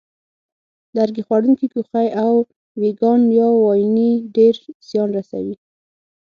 لرګي خوړونکي کوخۍ او وېږیان یا واینې ډېر زیان رسوي.